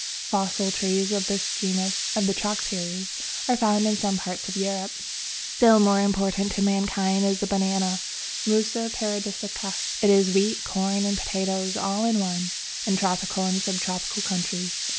Fossil trees of this genus (of the chalk period) are found in some parts of Europe. Still more important to mankind is the Banana (Musa paradisiaca). It is wheat, corn, and potatoes all in one, in tropical and sub tropical countries.